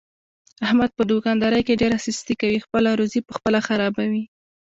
احمد په دوکاندارۍ کې ډېره سستي کوي، خپله روزي په خپله خرابوي.